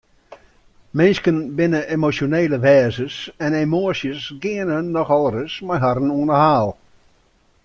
Minsken binne emosjonele wêzens en emoasjes geane nochal ris mei harren oan 'e haal.